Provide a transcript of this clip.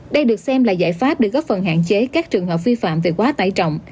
đây được xem là giải pháp để góp phần hạn chế các trường hợp vi phạm về quá tải trọng